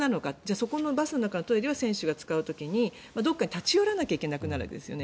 そこのバスの中のトイレは選手が使う時にどこかに立ち寄らないといけなくなるわけですよね。